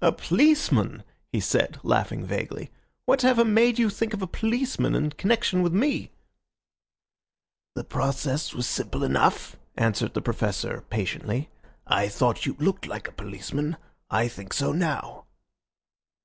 "A policeman?" he said, laughing vaguely. "Whatever made you think of a policeman in connection with me?" "The process was simple enough," answered the Professor patiently. "I thought you looked like a policeman. I think so now."